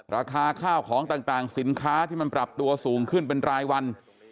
ราคาข้าวของต่างสินค้าที่มันปรับตัวสูงขึ้นเป็นรายวัน